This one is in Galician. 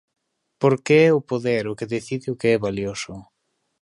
Porque é o poder o que decide o que é valioso.